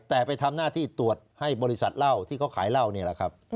แต่ไปทำหน้าที่ตรวจให้บริษัทเหล้าที่เขาขายเหล้านี่แหละครับ